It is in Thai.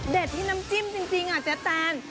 ที่น้ำจิ้มจริงเจ๊แตน